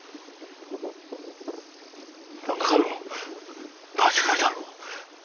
何かの間違いだろう。